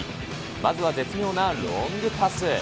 まずは絶妙なロングパス。